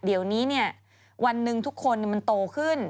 เดี๋ยวนี้วันหนึ่งทุกคนมันโตขึ้น